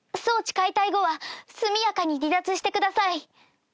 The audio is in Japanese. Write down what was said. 解体後は速やかに離脱してください